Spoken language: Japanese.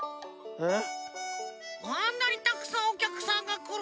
えっ！？